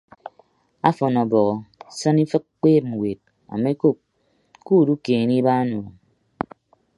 Ọfọn ọbọhọ sịn ifịk kpeeb ñwed amokop kuudukeene ibaan o.